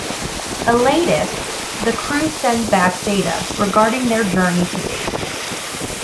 Elated, the crew send back data regarding their journey to date.